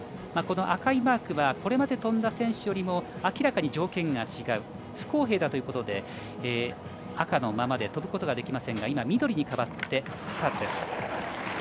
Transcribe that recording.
この赤いマークはこれまで飛んだ選手よりも明らかに条件が違う不公平だということで赤のままで飛ぶことができませんが緑に変わってスタートです。